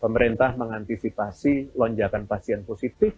pemerintah mengantisipasi lonjakan pasien positif